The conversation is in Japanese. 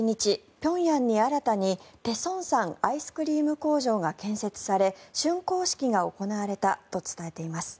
平壌に新たに大城山アイスクリーム工場が建設されしゅん工式が行われたと伝えています。